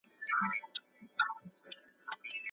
ګنهكاره سوه سورنا، ږغ د ډولونو